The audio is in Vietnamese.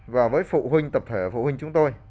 và với phụ huynh tập thể phụ huynh chúng tôi